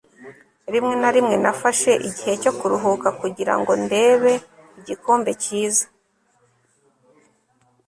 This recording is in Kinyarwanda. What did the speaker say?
rimwe na rimwe nafashe igihe cyo kuruhuka kugirango ndebe igikombe cyiza